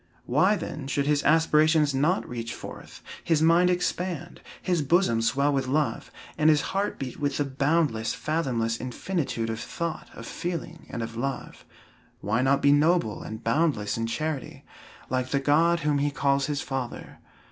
Why, then, should his aspirations not reach forth, his mind expand, his bosom swell with love, and his heart beat with the boundless, fathomless infinitude of thought, of feeling, and of love? Why not be noble and boundless in charity, like the God whom he calls his father?